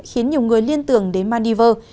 khiến nhiều người liên tưởng đến maldives